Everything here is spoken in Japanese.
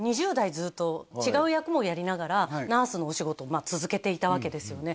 ずっと違う役もやりながら「ナースのお仕事」を続けていたわけですよね